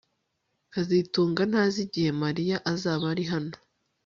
kazitunga ntazi igihe Mariya azaba ari hano